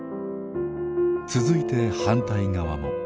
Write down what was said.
続いて反対側も。